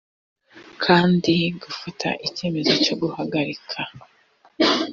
kandi gufata icyemezo cyo guhagarika